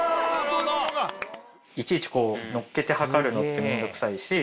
いちいちのっけて量るのってめんどくさいし。